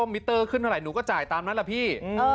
มิเตอร์ขึ้นเท่าไหร่หนูก็จ่ายตามนั้นแหละพี่